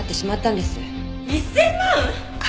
１０００万！？